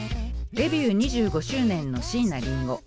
デビュー２５周年の椎名林檎。